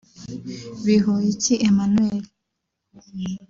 Bihoyiki Emmanuel